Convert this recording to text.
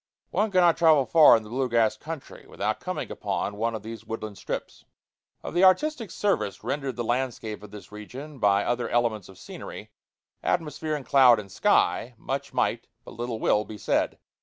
One cannot travel far in the blue grass country without coming upon one of these woodland strips. [Illustration: NEGRO CABINS.] Of the artistic service rendered the landscape of this region by other elements of scenery atmosphere and cloud and sky much might, but little will, be said.